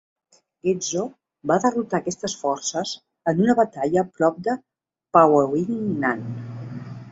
Ghezo va derrotar aquestes forces en una batalla prop de Paouingnan.